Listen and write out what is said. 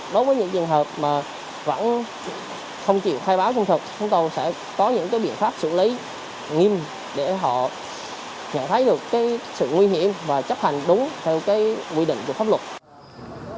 đối với những trường hợp mà brock không chịu thay béo không thật chúng tôi sẽ có những cái biện pháp xử lý nghiêm để họ nhận thấy được cái sự nguy hiểm và chấp hành đúng theo cái quy định của phép b voltar forward chúng tôi sẽ có những cái biện pháp xử lý nghiêm để họ nhận thấy được cái sự nguy hiểm và chấp hành đúng theo cái quy định của pháp b foarte đã nghì bày tập tập